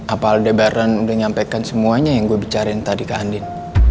apal debaran udah nyampaikan semuanya yang gue bicarain tadi ke andin